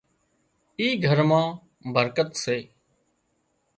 اي گھر مان برڪت سي